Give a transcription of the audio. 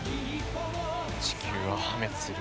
地球は破滅する。